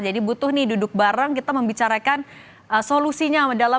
jadi butuh nih duduk bareng kita membicarakan solusinya dalam menangani hal hal ke depannya semakin besar